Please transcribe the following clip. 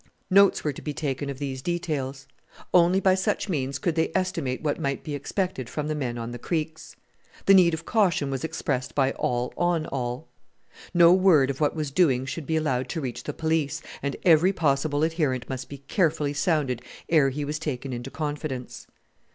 Notes were to be taken of these details. Only by such means could they estimate what might be expected from the men on the creeks. The need of caution was expressed by all on all. No word of what was doing should be allowed to reach the police, and every possible adherent must be carefully sounded ere he was taken into confidence.